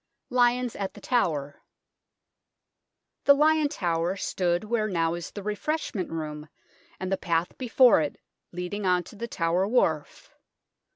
LIONS AT THE TOWER The Lion Tower stood where now is the refreshment room and the path before it leading on to the Tower Wharf.